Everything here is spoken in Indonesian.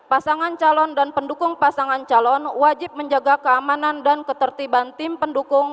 pasangan calon dan pendukung pasangan calon wajib menjaga keamanan dan ketertiban tim pendukung